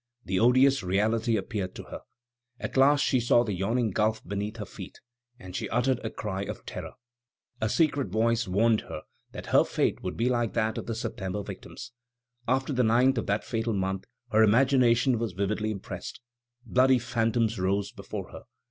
The odious reality appeared to her. At last she saw the yawning gulf beneath her feet, and she uttered a cry of terror. A secret voice warned her that her fate would be like that of the September victims. After the 9th of that fatal month her imagination was vividly impressed. Bloody phantoms rose before her.